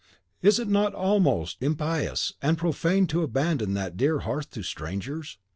Is it not almost impious and profane to abandon that dear hearth to strangers?